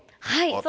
はい。